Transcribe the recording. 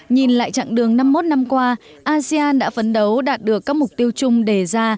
nhìn lại chặng đường năm mươi một năm qua asean đã phấn đấu đạt được các mục tiêu chung đề ra